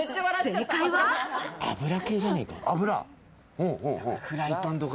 油系じゃねえか？